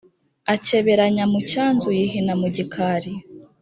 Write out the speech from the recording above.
Akeberanya mu cyanzu Yihina mu gikari.